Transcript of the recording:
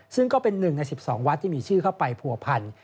ซึ่งก็เป็น๑ใน๑๒วัดที่มีชื่อเข้าไปผัวพัน